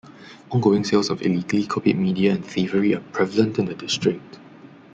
Ongoing sales of illegally copied media and thievery are prevalent in the district.